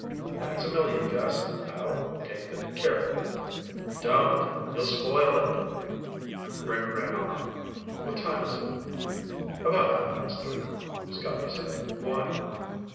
"Thanks a million, Gus. I'll take good care of it." "Don't. You'll spoil it." Rick rang off. "What time is it?" "About half past three," Scotty said. "Why?"